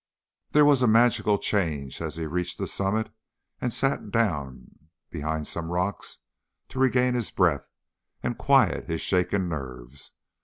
There was a magical change as he reached the summit and sat down behind some rocks to regain his breath and quiet his shaken nerves.